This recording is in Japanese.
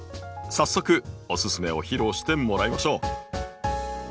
早速おススメを披露してもらいましょう。